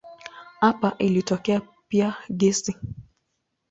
Hapa ilitokea pia gesi.